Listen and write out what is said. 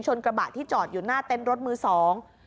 กระบะที่จอดอยู่หน้าเต้นรถมือสอง